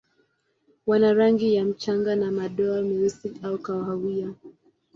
Wana rangi ya mchanga na madoa meusi au kahawia.